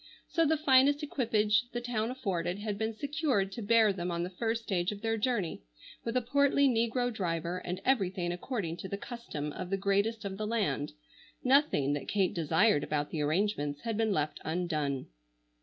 So the finest equipage the town afforded had been secured to bear them on the first stage of their journey, with a portly negro driver and everything according to the custom of the greatest of the land. Nothing that Kate desired about the arrangements had been left undone.